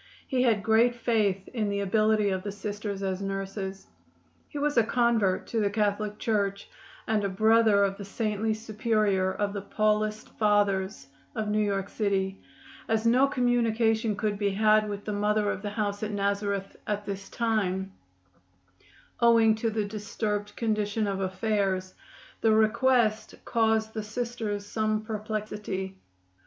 He had great faith in the ability of the Sisters as nurses. He was a convert to the Catholic Church, and a brother of the saintly superior of the Paulist Fathers of New York city. As no communication could be had with the Mother of the house at Nazareth at this time, owing to the disturbed condition of affairs, the request caused the Sisters some perplexity.